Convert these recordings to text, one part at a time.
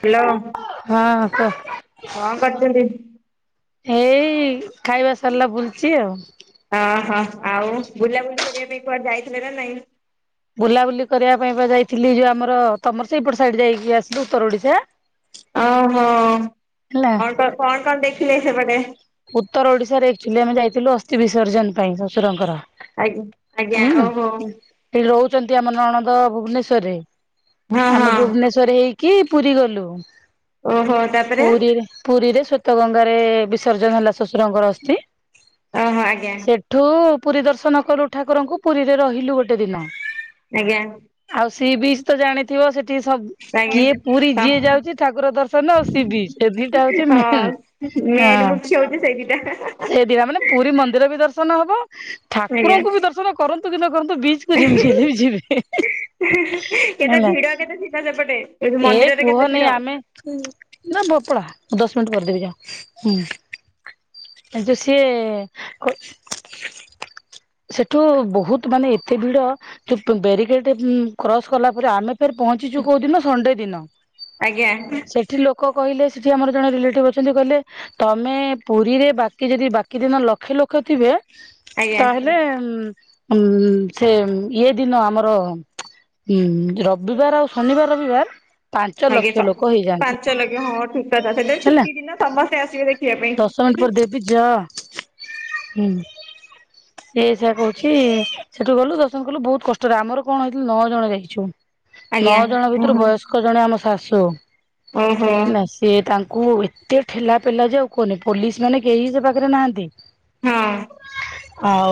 Hello ହଁ କୁହ। କଣ କରୁଛନ୍ତି? ଏଇ ଖାଇବା ସରିଲା ବୁଲଚି ଆଉ। ଅହୋ ଆଉ ବୁଲାବୁଲି କରିବା ପାଇଁ କୁଆଡେ ଯାଇଥିଲେ ନା ନାଇଁ? ବୁଲାବୁଲି କରିବା ପାଇଁ ବା ଯାଇଥିଲି ଯୋଉ ଆମର ତମର ସେଇପଟ ସାଇଡ ଯାଇକି ଆସିଲି ଉତ୍ତର ଓଡିଶା। ଓହୋ ହେଲା କଣ କ କଣ କଣ ଦେଖିଲେ ସେପଟେ। ଉତ୍ତର ଓଡିଶାରେ ଏକଚୁଲି ଆମେ ଯାଇଥିଲୁ ଅସ୍ଥି ବିସର୍ଜନ ପାଇଁ ଶ୍ୱଶୁରଙ୍କର। ଆଜ୍ଞା ଆଜ୍ଞା ଓହୋ ସେ ରହୁଛନ୍ତି ଆମର ନଣଦ ଭୁବନେଶ୍ଵରରେ। ହଁ ଆମେ ହଁ ଭୁବନେଶ୍ଵର ହେଇକି ପୁରୀ ଗଲୁ। ଓହୋ ତାପରେ ପୁରୀରେ ପୁରୀରେ ସ୍ଵତ ଗଙ୍ଗାରେ ବିସର୍ଜନ ହେଲା ଶ୍ୱଶୁରଙ୍କର ଓହୋ ଆଜ୍ଞା ଅସ୍ଥି। ସେ ଠୁ ପୁରୀ ଦର୍ଶନ କଲୁ ଠାକୁରଙ୍କୁ ପୁରୀରେ ରହିଲୁ ଗୋଟେ ଦିନ। ଆଜ୍ଞା। ଆଉ ସି ବିଚ୍ ତ ଜାଣିଥିବ ସେଠି ସ ଆଜ୍ଞା କିଏ ପୁରୀ ଯିଏ ହଁ ଯାଉଛି ଠାକୁର ଦର୍ଶନ ଆଉ ସିିବି ଚ୍ ଏ ଦିଟା ହଉଛି ମେନ୍। ହଁ ମେନ୍ ମୁଖ୍ୟ ହୋଉଛି ସେଇ ଦି ଟା। ସେ ଦିଟା ମାନେ ପୁରୀ ମନ୍ଦିର ବି ଦର୍ଶନ ହବ, ଆଜ୍ଞା। ଠାକୁରଙ୍କୁ ବି ଦର୍ଶନ କରନ୍ତୁ କି ନ କରନ୍ତୁ ବି ଚ କୁ ଯେମିତି ହେଲେ ବି ଯିବେ। କେତେ ହେଲା ଭିଡ କେତେ ଶୀଟ ସେପଟେ ଏ ମନ୍ଦିରରେ କେତେ କୁହନି ଭିଡ? ଆମେ ନା ଭପଳାଁ ଦଶ ମିନିଟ୍ କରିଦେବି ଯା। ହୁଁ, ଏ ଯୋଉ ସିଏ ସେଠୁ ବହୁତ ମାନେ ଏତେ ଭିଡ ତୁ ବ୍ୟାରିକେଡ କ୍ରସ କଲା ପରେ ଆମେ ଫେର ପହଞ୍ଚିଛୁ କୋଉ ଦିନ ସଣ୍ଡେ ଦିନ। ଆଜ୍ଞା। ସେଠି ଲୋକ କହିଲେ ସେଠି ଆମର ଜଣେ ରିଲେଟିଭ ଅଛନ୍ତି କହିଲେ ତମେ ପୁରୀରେ ବାକି ଯଦି ବାକି ଦିନ ଲକ୍ଷେ ଲୋକ ଥିବେ। ତାହେଲେ ଆଜ୍ଞା। ଉ ସେ ଇଏ ଦିନ ଆମର ହୁଁ ରବିବାର ଆଉ ଶନିବାର ରବିବାର ପାଞ୍ଚ ଲକ୍ଷ ଆଜ୍ଞା ଲୋକ ହେଇଯାଆନ୍ତି ପାଞ୍ଚ ଲକ୍ଷ ହଁ ଠିକ କଥା ସେ ହେଲା ଛୁଟି ଦିନ ତମସ୍ତେ ଆସିବେ ଦେଖ ଦଶ ମିନିଟ୍ ପରେ ଦେବି ଯା ହୁଁ। ହ ସେ ସେଆ କହୁଛି ସେଠୁ ଗଲୁ ଦର୍ଶନ କଲୁ ବହୁତ କଷ୍ଟରେ ଆମର କଣ ହେଇଥିଲୁ ନଅ ଜଣ ଯାଇଛୁ। ଆଜ୍ଞା ନଅ ଜଣ ଭିତରୁ ଓହୋ ବୟସ୍ କ ଜଣେ ଆମ ଶାଶୁ ଓହୋ ନା ସିଏ ତାଙ୍କୁ ଏତେ ଠେଲା ପେଲା ଯାଉ କୁହନି ପୋଲିସ ମାନେ କେହି ସେ ପାଖରେ ନାହାନ୍ତି। ହଁ। ଆଉ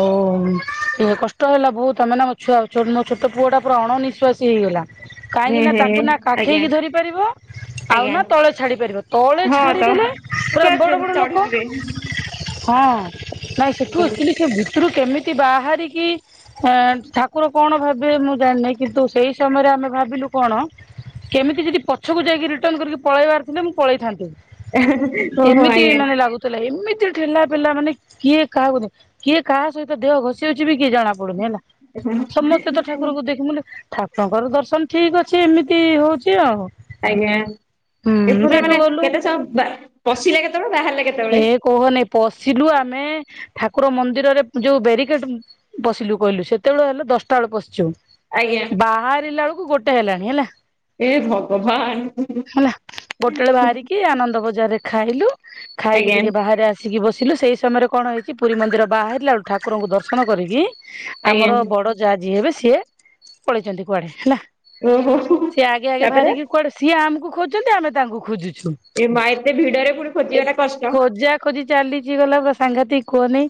ସେୟା କଷ୍ଟ ହେଲା ବହୁତ ତମେ ମୋ ଛୁଆ ମୋ ଛୋଟ ପୁଅ ଟା ପୁରା ଅଣନିଶ୍ଵାସୀ ହେଇଗଲା। ହୁଁ କାହିଁକିନା ତାକୁ ହୁଁ ନା ଆଜ୍ଞା କାଖେଇକି ଧରିପାରିବ ଆଉ ଆଜ୍ଞା ନା ତଳେ ଛାଡି ପାରିବ, ତଳେ ହଁ ତ ଛାଡିଦେଲେ ସେ ପୁରା ବଡ଼ ବଡ଼ ଲୋକ, ଚଢିଯିବେ। ହଁ ନାଇଁ ସେଠୁ ଅକ୍ଚୁଲି ସେ ଭିତୁରୁ କେମିତି ବାହାରିକି ଠାକୁର କଣ ଭାବିବେ ମୁଁ ଜାଣିନେଇ କିନ୍ତୁ ସେଇ ସମୟରେ ଆମେ ଭାବିଲୁ କଣ କେମିତି ଯଦି ପଛକୁ ଯାଇକି ରିଟର୍ଣ କରିକି ପଳେଇବାର ଥିଲେ ମୁଁ ପଳେଇଥାନ୍ତି। [unintelligible] ଏମିତି ଆଜ୍ଞା ମାନେ ଲାଗୁ ଥିଲା ଏମିତି ଠେଲା ପେଲା ମାନେ କିଏ କାହାକୁ କିଏ କାହା ସହିତ ଦେହ ଘଷି ହଉଛି ବି କିଏ ଜଣା ପଡୁନି ହେଲା, ସମସ୍ତେ ତ ଠାକୁରକୁ ଦେଖମୁ ଠାକୁରଙ୍କର ଦର୍ଶନ ଠିକ ଅଛି ଏମିତି ହଉଛି ଆଉ। ଆଜ୍ଞା, ହୁଁ ଏ ପୁରା ସେଇଠୁ ମାନେ ଗଲୁ କେତେ ସବୁ ସମ ପଶିଲେ କେତେବେଳେ ବାହାରଲେ କେ ଏ କହନାଇଁ ପଶିଲୁ ଆମେ ଠାକୁର ମନ୍ଦିରରେ ଯୋଉ ବ୍ୟାରିକେଡ ପଶିଲୁ କହିଲୁ ସେତେବେଳେ ହେଲେ ଦଶଟା ବେଳେ ପଶଛୁ। ଆଜ୍ଞା। ବାହାରିଲା ବେଳକୁ ଗୋଟେ ହେଲାଣି ହେଲା। ଏ ଭଗବାନ। ହେଲା, ଗୋଟେ ବେଳେ ବାହାରିକି ଆନନ୍ଦ ବଜାରରେ ଖାଇଲୁ ଖାଇକି ଆଜ୍ଞା ଟିକେ ବାହାରେ ଆସ ଆସିକି ବସିଲୁ ସେହି ସମୟରେ କଣ ହେଇଛି ପୁରୀ ମନ୍ଦିର ବାହାରିଲା ବେଳକୁ ଠାକୁରଙ୍କୁ ଦର୍ଶନ କରିକି। ଆଜ୍ଞା ଆମର ବଡ ଯା ଯିଏ ହେବେ, ସିଏ ପଳେଇଛନ୍ତି କୁଆଡେ? ହେଲା। ଓହୋ ସିଏ ଆଗେ ଆଗେ ତାପରେ ବାହାରିକି କୁଆଡେ, ସିଏ ଆମକୁ ଖୋଜୁଛନ୍ତି, ଆମେ ତାଙ୍କୁ ଖୋଜୁଛୁ। ଏ ମା ଏତେ ଭିଡ଼ରେ ପୁଣି ଏତ୍ ଖୋଜିବାଟା କଷ୍ଟ। ଖୋଜା ଖୋଜି ଚାଲିଛି ଗଲା ବା ସାଂଘାତିକି କୁହନି।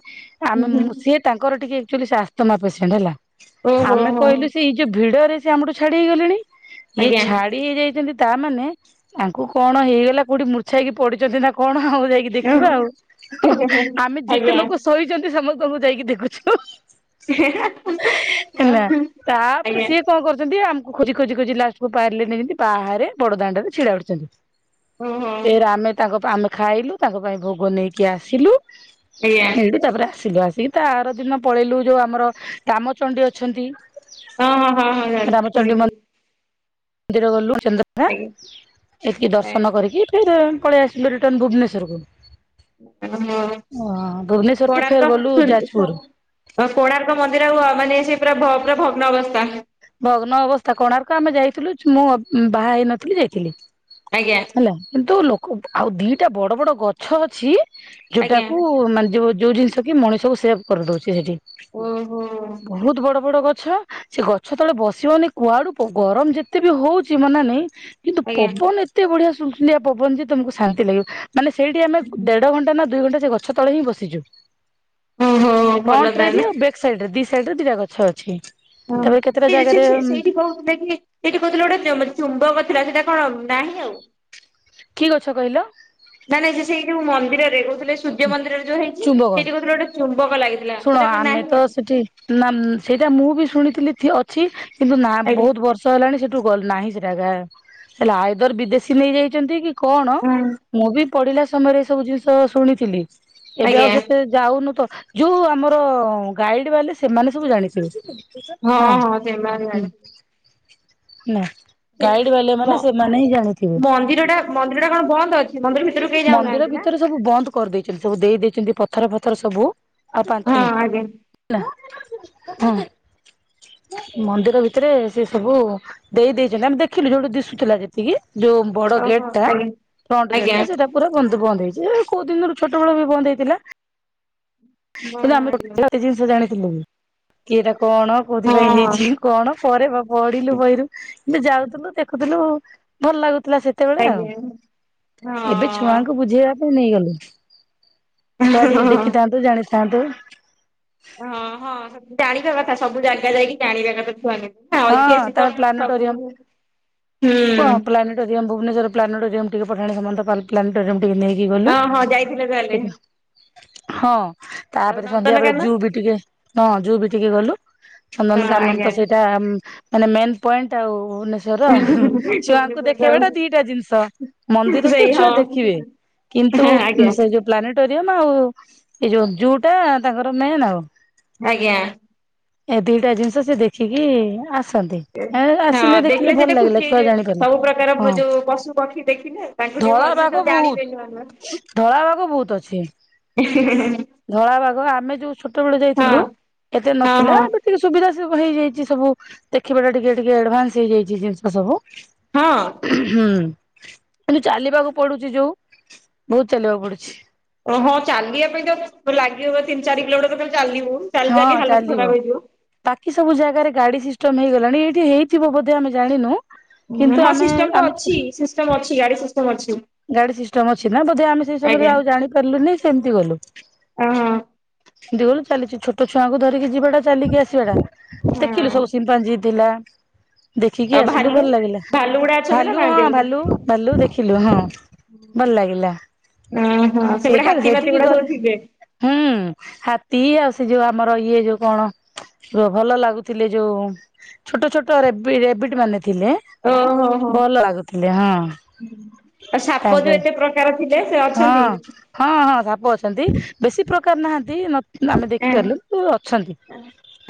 ଉଁ ଆମେ ହୁଁ ମୁଁ ସିଏ ତାଙ୍କର ଟିକେ ଆକ୍ଚୁଲି ସେ ଆସ୍ଥମା ପେସେଣ୍ଟ ହେଲା, ଓହୋ ଆମେ ହୋ କହିଲୁ ସେଇ ଯଉ ଭିଡ ରେ ସେ ଆମଠୁ ଛାଡି ହେଇଗଲେଣି, ଇଏ ଆଜ୍ଞା ଛାଡି ହେଇ ଯାଇଛନ୍ତି, ତା'ମାନେ ଆଙ୍କୁ କଣ ହେଇଗଲା କୋଉଠି, ମୂର୍ଛା ହେଇକି ପଡିଛନ୍ତି ନା କଣ ହ? ଆଉ ଯାଇକି ଓ ଦେଖିବା ଆଉ, ଆମେ ଯେତେ ଆଜ୍ଞା ଲୋକ ଶୋଇଛନ୍ତି, ସମସ୍ତଙ୍କୁ ଯାଇକି ଦେଖୁଛୁ। [unintelligible] ହେଲା, ଆଉ ତା'ପରେ ଆଜ୍ଞା ସିଏ କଣ କରୁଛନ୍ତି? ଆମକୁ ଖୋଜି ଖୋଜି ଖୋଜି ଲାଷ୍ଟକୁ ପାରଲେନି ଯିଁତି, ବାହାରେ ବଡ ଦାଣ୍ଡରେ ଛିଡା ଉଠିଛନ୍ତି। ଓହୋ ଫେରେ, ଆମେ ତାଙ୍କ ପା, ଆମେ ଖାଇଲୁ ତାଙ୍କ ପାଇଁ ଭୋଗ ନେଇକି ଆସିଲୁ। ଆଜ୍ଞା ଏଇଠି ତା'ପରେ ଆସିଲୁ। ଆସିକି ତା ଆର ଦିନ ପଳେଇଲୁ, ଯୋଉ ଆମର ରାମଚଣ୍ଡୀ ଅଛନ୍ତି। ହଁ, ହଁ, ହଁ, ହଁ, ଜାଣିଛିି ରାମଚଣ୍ଡୀ ଶୁଣିଛି। ମନ୍ଦିର ଗଲୁ ଚନ୍ଦ୍ରଭାଗା, ଆଜ୍ଞା ଏତିକି ଆଜ୍ଞା ଦର୍ଶନ କରିକି [unintelligible] ପଳେଇ ଆସିଲୁ ରିଟର୍ନ ଭୁବନେଶ୍ୱର କୁ। ଓହୋ ଅଁ, ଭୁବନେଶ୍ୱର ଠୁ ଫେର୍ ଗଲୁ ଯାଜପୁର। ହ କୋଣାର୍କ ମନ୍ଦିର ଆଉ ମାନେ ସେ, ପୁରା ଭ ପୁରା ଭଗ୍ନ ଅବସ୍ଥା। ଭଗ୍ନ ଅବସ୍ଥା କୋଣାର୍କ ଆମେ ଯାଇଥିଲୁ, ମୁଁ ବାହା ହେଇନଥିଲି ଯାଇଥିଲି। ଆଜ୍ଞା। ହେଲା। କିନ୍ତୁ, ଲୋକ ଆଉ ଦିଟା ବଡ ବଡ ଗଛ ଅଛି ଆଜ୍ଞା ଯୋଉଟାକୁ ମାନେ ଯଉ ଯଉ ଜିନିଷ କି ମଣିଷକୁ ସେଭ୍ କରିଦେଉଛି, ସେଠି। ଓହୋ। ବହୁତ ବଡ ବଡ ଗଛ ସେ ଗ ସେତେବେଳେ ବସି ବନି କୁଆଡୁ ଗରମ ଯେତେ ବି ହଉଛି ମାନେ ନାଇଁ କିନ୍ତୁ, ଆଜ୍ଞା ପବନ ଏତ୍ ଏତେ ବଢିଆ ସୁଲସୁଲିଆ ପବନ ଯେ ତମକୁ ଶାନ୍ତି ଲାଗିବ। ମାନେ ସେଇଟି ଆମେ ଦେଢଘଣ୍ଟା ନା ଦୁଇ ଘଣ୍ଟା ସେ ଗ ଗଛ ତଳେ ହି ବସିଛୁ। ଓହୋ ଭଲ ଫ୍ରଣ୍ଟରେ ବି ତାହେଲେ ଆଉ ବେକ୍ ସାଇଡରେ ଦି ସାଇଡରେ ଦିଟା ଗଛ ଅଛି। ତାପରେ କେତେଟା ଜାଗାରେ ସେ-ସେଇଠି କହୁଥିଲେ କି? ସେଠି କହୁଥିଲେ ଗୋଟେ ଚୁ-ଚୁମ୍ବକ ଥିଲା, ସେଇଟା କଣ ନାହିଁ ଆଉ? କି ଗଛ କହିଲ? ନାଁ ନାଇଁ ସେଇ ଯୋଉ ମନ୍ଦିରରେ କହୁଥିଲେ, ସୂର୍ଯ୍ୟ ମନ୍ଦିରରେ ଯୋଉ ହେଇଛି, ଚୁମ୍ବକ। ସେଇଠି କହୁଥିଲେ ଗୋଟେ ଚୁମ୍ବକ ଲାଗି ଶୁଣ ଆମେ ତ ସେଠି ନାମ୍ ସେଇଟା ମୁଁ ବି ଶୁଣିଥିଲି ଥି ଅଛି। କିନ୍ତୁ ନା ଆଜ୍ଞା ବହୁତ ବର୍ଷ ଷ ହେଲାଣି ସେଠୁ ଗଲ୍ ନାହିଁ ସେଟା। ଗା ହେଲେ ଆଇଦର ବିଦେଶୀ ନେଇଯାଇଚନ୍ତି, କି କଣ? ହଁ ମୁଁ ବି ପଢିଲା ସମୟରେ ଏ ସବୁ ଜିନିଷ ଶୁଣିଥିଲି। ଏବେ ଆଉ ଆଜ୍ଞା ସେତେ ଯାଉନୁ ତ, ଯୋଉ ଆମର ଗାଇଡ୍ ବାଲେ, ସେମାନେ ସବୁ ଜାଣିଥିବେ। ହଁ, ହୁଁ ହେଲା। ଗାଇଡ୍ ବାଲା ମ ମାନେ ସେମାନେ ହିଁ ଜାଣିଥିବେ। ମନ୍ଦିର ଟା ମନ୍ଦିର ଟା କଣ ବନ୍ଦ ଅଛି ମନ୍ଦିର ଭିତରକୁ କେହି ମନ୍ଦିର ଯାଉନାହାନ୍ତି ନା? ଭିତରେ ଯୋଉ ସବୁ ବନ୍ଦ କରିଦେଇଛନ୍ତି। ସବୁ ଦେଇ ଦେଇଛନ୍ତି ପଥର ଫଥର ସବୁ। ଆଉ ପାଞ୍ଚ ହଁ ମିନ୍ଟି ଆଜ୍ଞା ହେଲା, ହୁଁ, ମନ୍ଦିର ଭିତରେ ସେ ସବୁ ଦେଇ ଦେଇଚନ୍ତି, ଆମେ ଦେଖିଲୁ। ଯୋଉଠୁ ଦିଶୁଥିଲା ଯେତିକି ଯୋଉ ବଡ ଗେଟ୍ ଓହୋ ଟା ଆଜ୍ଞା। ଫ୍ରଣ୍ଟ୍ ଗେଟ୍ ଆଜ୍ଞା ଟା ସେଟା ପୁରା ବନ୍ଦ ବନ୍ଦ ହେଇଛି। କୋଉ ଦିନରୁ ଛୋଟ ବେଳୁ ବି ବନ୍ଦ ହେଇଥିଲା? ହଁ କିନ୍ତୁ ଆମେ ଗୋ ଆଜ୍ଞା [inaudible] ଗୋଟେ ଜିନିଷ ଜାଣିଥିଲୁ କି, ଏଇଟା କଣ, କୋଉଥିପାଇଁ ହଁ ହେଇଛି? କଣ ପରେ! ବା ପଢିଲୁ ବହିରୁ କିନ୍ତୁ ଯାଉଥିଲୁ, ଦେଖୁଥିଲୁ, ଭଲ ଲାଗୁଥିଲା ସେତ୍ ତେବେଳେ ଆଉ। ଆଜ୍ଞା। ଏବେ ଛୁଆଙ୍କୁ ବୁଝେଇବା ନେଇଗଲୁ ଛୁଆ ଟିକେ ହଁ ଦେଖିଥାନ୍ତୁ ଜାଣିଥାନ୍ତୁ। ହଁ ହଁ ସବୁ ଜାଣିବା କଥା ସବୁ ଜାଗା ଯାଇକି ଜାଣିବା କଥା କହୁନି। ହଁ ତାପରେ ପ୍ଲାନେଟୋରିୟମ୍ କୁହ ପ୍ଲାନ ପ୍ଲାନେଟୋରିୟମ ଭୁବନେଶ୍ୱର ପ୍ଲାନେଟୋରିୟମ୍‌ ଟିକେ ପଠାଣି ସାମନ୍ତ ପା ପ୍ଲାନେଟୋରିୟମ୍ ଟିକେ ନେଇକି ଗଲୁ। ହଁ ହଁ ଯାଇଥିଲେ ତାହେଲେ ସେ ହଁ ଆଉ ତାପରେ ସନ୍ଧ୍ୟା ବେଳେ ନନ୍ଦନକାନନ ଜୁ ବି ଟିକେ ହଁ ଜୁ ବି ଟିକେ ଗଲୁ। ହଁ ଚନ୍ଦନକାନନ ଆଜ୍ଞା ତ ସେଇଟା ମାନେ ମେନ୍ ପଏଣ୍ଟ ଆଉ। ର ଛୁଆଙ୍କୁ ଭୁବନେଶ୍ୱର ଦେଖେଇବା ଟା ଆଉ ଦିଟା ଜିନିଷ ମନ୍ଦିର ତୁ ସେଇ ଛୁଆ ହଁ ଦେଖିବେ। କିନ୍ତୁ ହଁ ଆଜ୍ଞା ସେ ଯୋଉ ପ୍ଲାନେଟୋରିୟମ ଆଉ ଏ ଯୋଉ ଜୁଟା ତାଙ୍କର ମେନ୍ ଆଉ। ଆଜ୍ଞା। ଏ ଦିଟା ଜିନିଷ ସେ ଦେଖିକି ଆସନ୍ତି। ହଁ ଆସିଲେ ଦେଖିଲେ ଭଲ ସେତେ ଖୁସି ଲାଗିଲା ଛୁଆ ହେଇଯିବ ଜାଣିପାରିଲେ ସବୁ ପ୍ରକାର ହଁ ଯୋଉ ପଶୁ ପକ୍ଷୀ ଦେଖିଲେ। ତାଙ୍କୁ ଟିକେ ଧଳା ଭଲଷେ ବାଘ ସବୁ ବହୁତ ଜାଣିବେନୁ ଆମ ଧଳା ବାଘ ବହୁତ ଅଛି। ହେଁ ହେଁ ହେଁ। ଧଳା ବାଘ ଆମେ ଯୋଉ ଛୋଟ ବେଳେ ଯାଇଥିଲୁ ଏତେ ନଥିଲା ହଁ ଏବେ ଟିକେ ସୁବିଧା ସୁ ହେଇଯାଇଛି ସବୁ ଦେଖିବାଟା ଟିକେ ଟିକେ ଆଡଭାନ୍ସ ହେଇଯାଇଛି ଜିନିଷ ସବୁ। ହଁ। ହୁଁ କିନ୍ତୁ ଚାଲିବାକୁ ପଡୁଛି ଯୋଉ ବହୁତ ଚାଲିବାକୁ ପଡୁଛି। ଓ ହଁ ଚାଲିବା ପାଇଁ ତ ଲାଗିିବ ତିନି ଚାରି କିଲୋମିଟର ଖାଲି ଚାଲିବୁ ଚାଲି ଚାଲି ହଁ ହାଲତ ଚାଲିବ ଖରାପ ହେଇଯିବ। ବାକି ସବୁ ଜାଗାରେ ଗାଡି ସିଷ୍ଟମ ହେଇଗଲାଣି ଏଇଠି ହେଇଥିବ ବୋଧେ ଆମେ ଜାଣିନୁ। କିନ୍ତୁ ହଁ ଆମେ ସିଷ୍ଟମ ତ ଆମେ ଅଛି ସିଷ୍ଟମ ଅଛି ଗାଡି ସିଷ୍ଟମ ଅଛି। ଗାଡି ସିଷ୍ଟମ ଅଛି ନା ବୋଧେ ଆମେ ସେଇ ସମୟରେ ଆଉ ଜାଣିପାରିଲୁନି ସେମିତି ଗଲୁ। ଓହୋ। ଜୋରେ ଚାଲିଛି ଛୋଟ ଛୁଆଙ୍କୁ ଧରିକି ଯିବାଟା ଚାଲିକି ଆସିବା ଟା। ହଁ ଦେଖିଲୁ ସବୁ ସିିନପାଜି ଥିଲା। ଦେଖିକି ଆଉ ଆସିଲୁ ଭାଲୁ ଭଲ ଲାଗିଲା ଭାଲୁ ଗୁଡା ଅଛନ୍ତି ନା ଭାଲୁ ହଁ ନାହାନ୍ତି ଆଉ? ଭାଲୁ ଭାଲୁ ଦେଖିଲୁ ହଁ। ଭଲ ଲାଗିଲା ଓହୋ ସେପଟେ ସେଇଟା ହାତୀ ମାତି ସେଇଠିକି ଗୁଡା ସବୁ ଗଲେ। ଥିବେ ହୁଁ ହାତୀ ଆଉ ସେ ଯୋଉ ଆମର ଇଏ ଯୋଉ କଣ ଭଲ ଲାଗୁଥିଲେ ଯୋଉ ଛୋଟ ଛୋଟ ରେବିଡରେବୀଡ଼ ମାନେ ଥିଲେ। ଓହୋ ହୋ। ଭଲ ଲାଗୁଥିଲେ ହଁ। ଆଉ ସାପ ତାଙ୍କ ଯୋଉ ଏତେ ପ୍ରକାର ଥିଲେ ସେ ହଁ ଅଛନ୍ତି। ହଁ ହଁ ସାପ ଅଛନ୍ତି ବେଶୀ ପ୍ରକାର ନାହାନ୍ତି ଆମେ ଦେଖ। ହେଲେ ଅଛନ୍ତି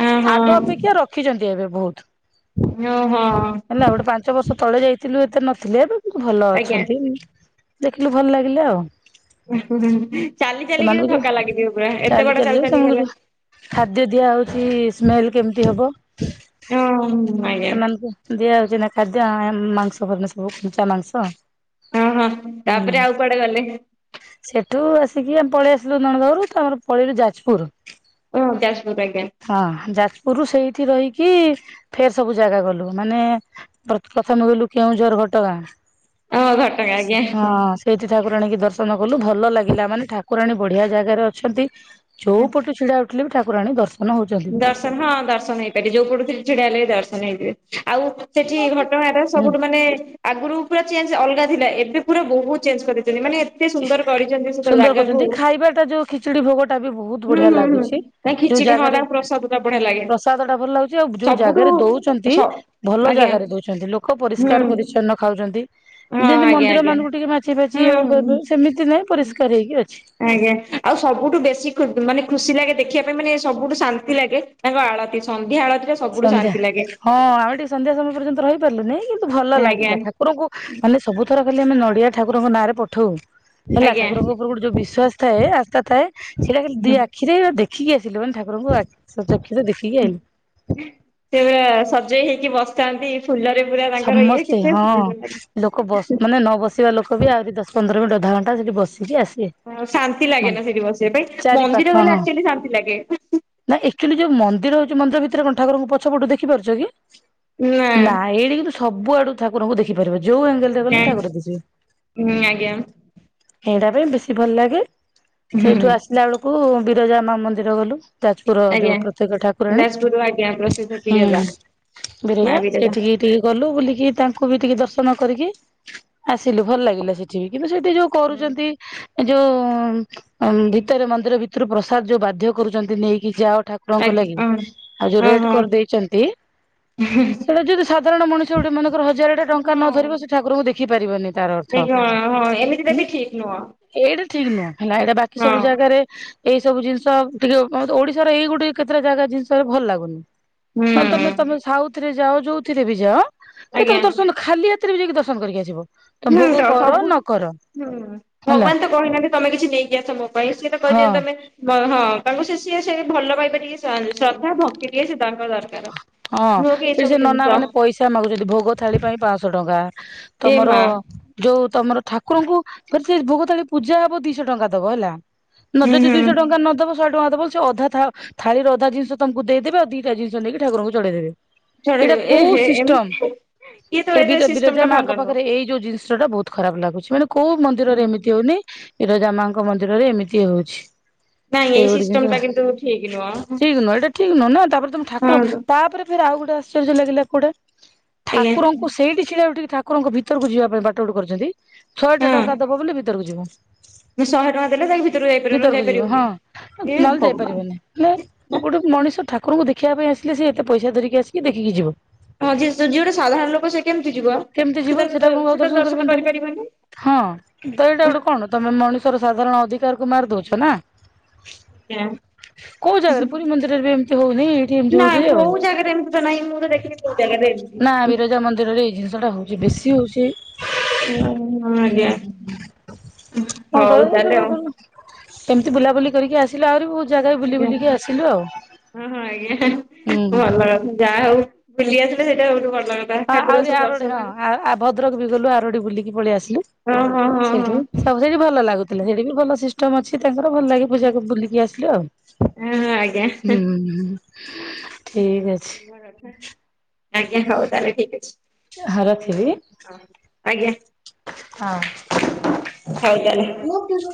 ଓହୋ ଆଗ ଅପେକ୍ଷା ରଖିଛନ୍ତି ଏବେ ବହୁତ। ଓ ହୋ। ହେଲା ଗୋଟେ ପାଞ୍ଚ ବର୍ଷ ତଳେ ଯାଇଥିଲୁ ଏତେ ନଥିଲେ ଏବେ ଭଲ ଆଜ୍ଞା। ଅଛନ୍ତି। ଦେଖିଲୁ ଭଲ ଲାଗିଲେ ଆଉ। ଚାଲି ଚାଲିକି ଥକା ଲାଗିଥିବ ପୁରା ଏତେ ବଡ ଚାଲି। ଚାଲି କଣ ଗଲେ। କରିବା ଖାଦ୍ୟ ଦିଆ ହଉଛି ସ୍ମେଲ କେମିତି ହବ? ହଁ। ଆଜ୍ଞା ସେମାନଙ୍କୁ ଦିଆ ହାଉଛି ନା ଖାଦ୍ୟ ମାଂସ ପ ସବୁ କଞ୍ଚା ମାଂସ ଓ ହଁ ହୁଁ ତାପରେ ଆଉ କୁଆଡେ ଗଲେ? ସେଠୁ ଆସିକି ଆମେ ପଳେଇ ଆସିଲୁ ନଣଦ ଘରୁ ତ ପଳେଇଲୁ ଯାଜପୁର। ହଁ ଯାଜପୁର ଆଜ୍ଞା। ହଁ ଯାଜପୁରରୁୁ ସେଇଠି ରହିକି ଫେ ସବୁ ଜାଗା ଗଲୁ ମାନେ ପ୍ରଥମେ ଗଲୁ କେଉଁଝର ଘଟଗାଁ। ଓ ଘଟଗାଁ ସେ ଆଜ୍ଞା। ହଁ। ସେଇଠି ଠାକୁରାଣୀ କି ଦର୍ଶନ କଲୁ ଭଲ ଲାଗିଲା ମାନେ ଠାକୁରାଣୀ ବଢିଆ ଜାଗାରେ ଅଛନ୍ତି। ଯୋଉ ପଟୁ ଛିଡା ଉଠିଲେ ବି ଠାକୁରାଣୀ ଦର୍ଶନ ହଉଛନ୍ତି। ତ ହଁ ଦର୍ଶନ ହେଇପାରିବ ଯୋଉ ପଟୁଥିଲି ଛିଡିଆ ହେଲେ ବି ଦର୍ଶନ ହେଇଥିବେ ଆଉ। ସେଠି ଘଟଗାରେ ହୁଁ ସବୁଠୁ ମାନେ ଆଗରୁ ପୁରା ଚେଞ୍ଜ ଅଲଗା ଥିଲା ଏବେ ପୁରା ବହୁତ ଚେଞ୍ଜ କରିଦେଇଛନ୍ତି ମାନେ ଏତେ ସୁନ୍ଦର କରିଛନ୍ତି ସେ ଜାଗାକୁ। ଏବେ ତ ଯୋଉ। ଖିଚୁଡ଼ି ଭୋଗଟା ବି ବହୁତ ବଢିଆ ହୁଁ ହୁଁ। ଲାଗୁଛି ତା ଯୋଉ ଖିଚିଡି ହଁ ଜାଗାରେ ତାଙ୍କ ପ୍ରସାଦ ଟା ବଢିଆ ଲାଗେ ପ୍ରସାଦ ଟା ଭଲ ଲାଗୁଛି ଆଉ ଯୋଉ ସବୁଠୁ ଜାଗାରେ ଦଉଛ ନ୍ତି ସ ଭଲ ଆଜ୍ଞା ଜାଗାରେ ଦଉଛନ୍ତି ଲୋକ ହୁଁ ପରିଷ୍କାର ପରିଚଛନ୍ନ ଖାଉଛନ୍ତି ହଁ ଯେମିତି ମ ଆଜ୍ଞା ମନ୍ଦିର ଆଜ୍ଞା ମାନଙ୍କୁ ଟିକେ ମାଛି ଫାଛି ହୁଁ ହୁଁ ସେମିତି ନାହିଁ ହୁଁ। ପରିଷ୍କାର ହେଇକି ଅଛି। ଆଜ୍ଞା ଆଉ ସବୁଠୁ ବେଶୀ ମାନେ ଖୁସି ଲାଗେ ଦେଖିବା ପାଇଁ ମାନେ ସବୁଠୁ ଶାନ୍ତି ଲାଗେ। ତାଙ୍କ ଆଳତି ସନ୍ଧ୍ୟା ଆଳତିର ସନ୍ଧ୍ୟା ହଁ ଆମେ ଟିକେ ସନ୍ଧ୍ୟା ସମୟ ପର୍ଯ୍ୟନ୍ତ ରହିପାରିଲୁନି କିନ୍ତୁ ଭଲ ଆଜ୍ଞା ଲାଗିଲା ଠା ଠାକୁରଙ୍କୁ ମାନେ ସବୁ ଥର ଖାଲି ଆମେ ନଡିଆ ଠାକୁରଙ୍କ ନାଁରେ ପଠଉ। ହେଲା ଆଜ୍ଞା ଠାକୁରଙ୍କ ଉପରେ ଗୋଟେ ଯୋଉ ବିଶ୍ୱାସ ଥାଏ ଆସ୍ତା ଥାଏ ସେଇଟା ଖାଲି ଦି ଆଖିରେ ଦେଖିକି ଆସିଲୁ ମାନେ ଠାକୁର କୁରଙ୍କୁ [unintelligible] ଦେଖିକି ଆଇଲୁ। ସେବେ ସଜେଇ ହେଇକି ବସ ନ୍ତି ଫୁଲରେ ପୁରା ତାଙ୍କର ଇଏ ସମସ୍ତେ କେତେ ଫୁଲ ଆସିବା ଲୋକ ବି ଆହୁରି ଦଶନ୍ଦର ମିନିଟ ଅଧଘଣ୍ଟା ସେଠି ବସିକି ଆସିବେ। ଶାନ୍ତି ଲାଗେ ନା ମନ୍ଦିର ସେଠି ବସିବା ପାଇଁ ଚାରି ମନ୍ଦିର ଗଲେ ଆକ୍ଚୁଆଲି ଶାନ୍ତି ଲାଗେ। ନାଁକ୍ଚୁଆଲି ଯୋଉ ମନ୍ଦିର ହଉଛି ମନ୍ଦିର ଭିତରେ କ ଠକୁରଙ୍କୁ ପଛ ପଟୁ ଦେଖିପାରୁଛ କି? ନା ଏଇଠି କିନ୍ତୁ ସବୁଆଡୁ ଠାକୁରଙ୍କୁ ଦେଖିପାରିବ ଯୋଉ ଏଙ୍ଗେଲ ରେ ଗଲେ ନାଇଁ ଠାକୁର ଦେଖିବେ। ହୁଁ ଆଜ୍ଞା ଏଇଟା ପାଇଁ ବେଶୀ ଭଲ ଲାଗେ ହୁଁ ହୁଁ ସେଇଠୁ ଆସିଲା ବେଳକୁ ବିରଜା ମା ମନ୍ଦିର ଗଲୁ। ଯାଜପୁର ଆଜ୍ଞା। ଯୋଉ ପ୍ରତ୍ୟେକ ଠାକୁରାଣୀ ଯାଜପୁର ଆଜ୍ଞା ପ୍ରସିଦ୍ଧ ବିରଜା ହୁଁ। ମା ବରିଜା ବିରଜା ସେଇଠିକି ଟିକେ ଗଲୁ ବୁଲିକି ତାଙ୍କୁ ବି ଟିକେ ଦର୍ଶନ କରିକି ଆସିଲୁ ଭଲ ଲାଗିଲା ସେଠି ବି କିନ୍ତୁ ସେଠି ଯୋଉ କରୁଛନ୍ତି ଯୋଉ ଭିତରେ ମନ୍ଦିର ଭିତରୁ ପ୍ରସାଦ ଯୋଉ ବାଧ୍ୟ କରୁଛନ୍ତି ନେଇକି ଯାଅ ଠାକୁରଙ୍କ ଲାଗି ଆଜ୍ଞା ଆଉ ଯୋଉ ହଁ ରେଡ କରି ହଁ ଦେଇେଇଛନ୍ତି। ସେଇଟା ଯଦି ସାଧାରଣ ମଣିଷ ଗୋଟେ ମାନଙ୍କର ହଜାର ଟା ହଁ ଟଙ୍କା ନ ଧରିବ ସେଠକୁରଙ୍କୁ ଦେଖିପାରିବନି ତାର। ଦେ ହଁ ହଁ ଏମିତି ତ ବି ଠିକ ନୁହଁ। ଏଇଟା ଠିକ ନୁହଁ ହେଲା ଏଇଟା ବାକି ହଁ ସବୁ ଜାଗାରେ ଏଇ ସବୁ ଜିନିଷ ଟିକେ ଓଡିଶାର ଏଇ ଗୋଟେ କେତେଟା ଜାଗା ଜିନିଷ ଭଲ ଲାଗୁନି ହୁଁ ନହଲେ ତମେ ତମେ ସାଉଥ ରେ ଯାଅ ଯୋଉଥିରେ ବି ଯାଅ ସେ ଆଜ୍ଞା ତମେ ଦର୍ଶନ ଖାଲି ରାତିରେ ବି ଯାଇକି ଦର୍ଶନ କରିକି ଆସିବ। ତ ହୁଁ ଭୋଗ କର ସବୁ ନ କର ହୁଁ ହେଲା। ଭଗବାନ ତ କହିନାହାନ୍ତି ତମେ କିଛି ନେଇକିଆସୋ ପାଇଁ ସିଏ ତ ହଁ। କହିଦଛନ୍ତି ତମେ। ହଁ ତାଙ୍କୁ ସେ ସିଏ ସେ ଭଲ ପାଇପାରିକେ ଶ୍ରଦ୍ଧା ଭତି ଟଏ ସେ ତାଙ୍କ ଦରକାର ହଁ ନୁହ କି ଏଇ ସେଠି ସବୁ ଜିନିଷ। ସେ ଆମକୁ ଯଛନ୍ତି ଭୋଗ ଥାଳି ପାଇଁ ପାଞ୍ଚଶହ ଟଙ୍କା ଏ ତମର ମା ଯୋଉ ତମର ଠାକୁରଙ୍କୁ ଫ ସେ ଭୋଗତାଳି ପୂଜା ହବ ଦିଶହ ଟଙ୍କା ଦବ ହେଲା। ନ ହୁଁ ଯଦି ହୁଁ ଦିଇଶହ ଟଙ୍କା ନଦବ ଶହେ ଟଙ୍କା ଦବ ସେ ଅଧା ଥାଳିରେ ଅଧା ଜିନିଷ ତମକୁ ଦେଇଦେବେ ଆଉ ଜିନିଷ ନେଇକ ଠାକୁଙ୍କୁଢେଇ ଦେବେ। ଛାଡ ଏଇଟା ଏ କୋଉ ହେ ସିଷ୍ଟମ ଏମତି ଇଏ ତ ଏ ସିଷ୍ଟମ ବିରଜା ଟା ମାଙ୍କ ଭଲ ନୁହଁ। ପାଖରେ ଏଇ ଯୋଉ ଜିନିଷଟା ବହୁତ ଖରାପ ଲାଗୁଛି। ମାନେ କୋଉ ମନ୍ଦିରରେ ଏମିତି ହଉନି। ବିରଜା ମାଙ୍କ ମନ୍ଦିରରେ ଏମିତି ହଉଛି। ନାଇଁ ସେଇ ଏଇ ଗୋଟେ ସିଷ୍ଟମ ଜିନିଷ ଟା କିନ୍ତୁ ଠିକ ନୁହଁ ହଁ ଠିକ ନୁହଁ। ଏଇଟା ଠିକ ନୁହଁ ନା। ତାପରେ ଠାକୁର ଆଜ୍ଞା ତାପରେ ଫେରେ ଆଉ ଗୋଟେ ଆଶ୍ଚର୍ଯ୍ୟ ଲାଗିଲା କୋଉଠେ ଠାକୁରଙ୍କୁ ସେଇଠି ଛିଡା ଟିକେ ଠା କୁକୁରଙ୍କ ଭିତରକୁ ଯିବା ପାଇଁ ବାଟ ବାଟୁ କରୁଛନ୍ତି। ଛଅଟା ହଁ। ଟଙ୍କା ଦବ ବୋଲି ଭିତରକୁ ଯିବ। ମୁଁ ଶହେ ଟଙ୍କା ଦେଲେ ଯାଇକି ଭିତରକୁ ଯାଇପାରିବୁନୁ ଭିତରକୁ ଯିବ ହଁ ଯାଇପାରିବୁନି ଏ ନହେଲେ ଭଗବାନ। ଯାଇପାରିବନି। ହେଲା ଗୋଟେ ମଣିଷ ଠାକୁରଙ୍କୁ ଦେଖିବା ପାଇଁ ଆସିଲେ ସେ ଏତେ ପଇସା ଧରିକି ଆସିକି ଦେଖିକି ଯିବ। ହଁ ଯି ଯିଏ ଗୋଟେ ସାଧାରଣ ଲୋକ ସେ କେମିତି ଯିବ? କେମିତି ଯିବ ସେ ଠାକୁରଙ୍କୁ ଆଉ ସେତ କରିବନି ଦର୍ଶନ ତାହେଲେ କରିପାରିବନି। ହଁ ତ ଏଇଟା ଗୋଟେ କଣ ତମେ ମଣିଷର ସାଧାରଣ ଅଧିକାରକୁ ମାରି ଦଉଛ ନା। କୋଉ ଜାଗାରେ ପୁରୀ ମନ୍ଦିରରେ ବି ଏମିତି ହଉନି। ନା ହୋଉଛି ଆଉ କୋଉ ଜାଗାରେ ଏମିତି ତ ନାହିଁ ମୁଁ ତ ଦେଖିନି କୋଉ ଜାଗାରେ ଏମିତି। ନା ବିରଜା ମନ୍ଦିରରେ ଏଇ ଜିନିଷ ଟା ହଉ ବେଶୀ ହଉଛି। ହଁ ଉଁ ଆଜ୍ଞା ହଉ ହୁଁ ହଁ କଣ ତାହେଲେ ଆଉ [unintelligible] ସେମିତି ବୁଲାବୁଲି କରିକି ଆସିଲୁ। ଆହୁରି ବି ବହୁତ ଜାଗା ବୁଲି ବୁଲିକି ଆସିଲୁ ଆଉ। ହ ହଁ ଆଜ୍ଞା ହୁଁ। ଭଲ ଯାହା ହଉ ବୁଲି ଆସିଲେ ସେଇଟା ବହୁତ ଭଲ। କଥା ହଁ ଠାକୁରଙ୍କୁ ଆହୁରି ସବୁ ଆରଡି ଦର୍ଶନ ହଁ ଭଦ୍ରକ ବି ଗଲୁ ଆରଡି ବୁଲିକି ପଳେଇ ଆସିଲୁ ହଁ ହଁ ହଁ ସେଠି। ସବୁ ସେଠି ଭଲ ଲାଗୁଥିଲେ। ସେଠି ବି ଭଲ ସିଷ୍ଟମ ଅଛି ତାଙ୍କର। ଭଲ ଲାଗି ପୂଜା ବୁଲିକି ଆସିଲୁ ଆଉ। ହଁ ଆଜ୍ଞା। ହୁଁ ଠିକ ଅଛି। ଭଲ କଥା। ଆଜ୍ଞା ହଉ ତାହେଲେ ଠିକ ଅଛି। ହଁ ରଖିଲି। ହଁ ଆଜ୍ଞା। ହଁ। ହଉ ତାହେଲେ। ମୁଁ [unintelligible]